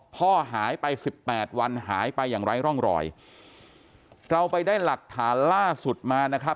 พ่อหายไปสิบแปดวันหายไปอย่างไร้ร่องรอยเราไปได้หลักฐานล่าสุดมานะครับ